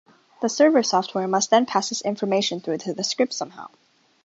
The server software must then pass this information through to the script somehow.